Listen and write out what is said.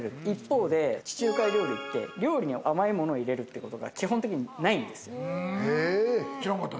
一方で地中海料理って料理に甘いものを入れるということが基本的にないんです。